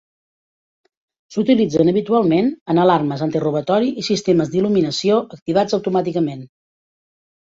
S'utilitzen habitualment en alarmes antirobatori i sistemes d'il·luminació activats automàticament.